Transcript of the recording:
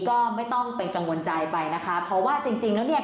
ก็ไม่ต้องเป็นกังวลใจไปนะคะเพราะว่าจริงจริงแล้วเนี่ย